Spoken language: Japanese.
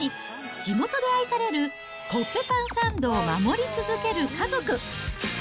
地元で愛されるコッペパンサンドを守り続ける家族。